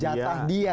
jatah dia ya